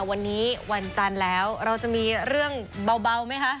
วันนี้วันจันทร์แล้วเราจะมีเรื่องเบาไหมคะ